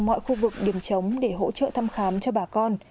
mọi khu vực điểm chống để hỗ trợ thăm khám cho bà con